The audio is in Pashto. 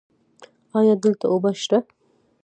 ایا دلته اوبه شته؟